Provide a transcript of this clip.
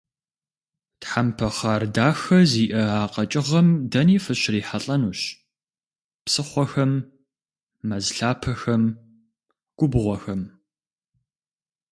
Тхьэмпэ хъар дахэ зиӏэ а къэкӏыгъэм дэни фыщрихьэлӏэнущ: псыхъуэхэм, мэз лъапэхэм, губгъуэхэм.